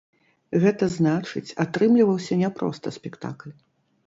Гэта значыць, атрымліваўся не проста спектакль.